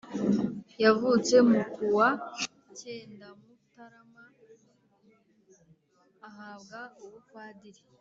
yavutse mu kuwa cyendamutarama ahabwa ubupadiri